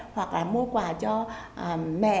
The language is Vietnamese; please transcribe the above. hoặc là mua quà cho mẹ